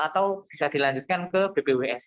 atau bisa dilanjutkan ke bpws